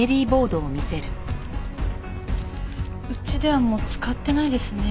うちではもう使ってないですね。